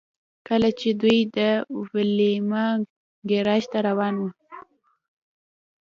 کله چې دوی د ویلما ګراج ته روان وو